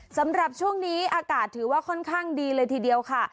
สำหรับช่วงนี้อากาศถือว่าค่อนข้างดีเลยทีเดียวค่ะ